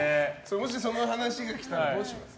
もし、その話が来たらどうしますか？